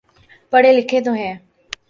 پڑھے لکھے تو ہیں۔